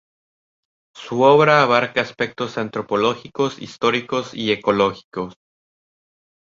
Su obra abarca aspectos antropológicos, históricos y ecológicos.